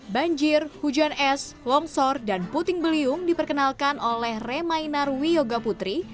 banjir hujan es longsor dan puting beliung diperkenalkan oleh remainar wiyoga putri